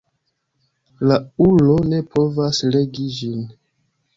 La ulo ne povas regi ĝin.